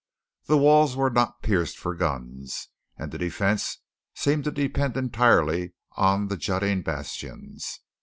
The walls were not pierced for guns; and the defence seemed to depend entirely on the jutting bastions.